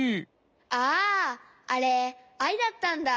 あああれアイだったんだ？